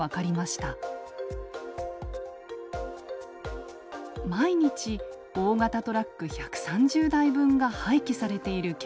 毎日大型トラック１３０台分が廃棄されている計算です。